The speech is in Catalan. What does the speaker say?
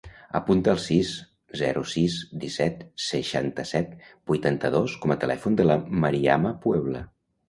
Apunta el sis, zero, sis, disset, seixanta-set, vuitanta-dos com a telèfon de la Mariama Puebla.